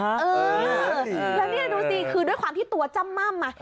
เออแล้วนี่ดูสิคือด้วยความที่ตัวจ้ำม่ำ